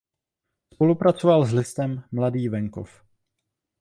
Spolupracoval s listem "Mladý venkov".